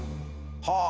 はあ。